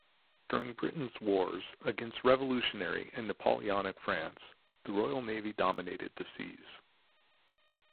During Britain's wars against revolutionary and Napoleonic France, the Royal Navy dominated the seas.